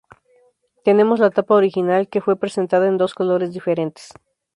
Tenemos la tapa original, que fue presentada en dos colores diferentes.